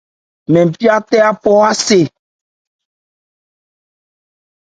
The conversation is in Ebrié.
Mɛn bhya tɛ phɔ̂ yɔn ncɛ́n.